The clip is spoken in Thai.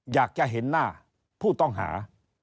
อยากจะเห็นหน้าผู้ต้องหา